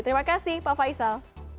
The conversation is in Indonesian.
terima kasih pak faisal